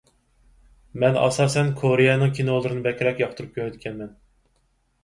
مەن ئاساسەن كورېيەنىڭ كىنولىرىنى بەكرەك ياقتۇرۇپ كۆرىدىكەنمەن.